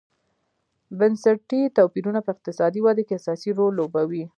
بنسټي توپیرونه په اقتصادي ودې کې اساسي رول لوبوي.